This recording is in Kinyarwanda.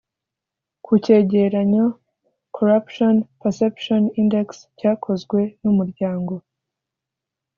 ku cyegeranyo corruption perception index cyakozwe n umuryango